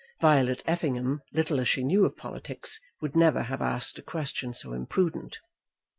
Violet Effingham, little as she knew of politics, would never have asked a question so imprudent.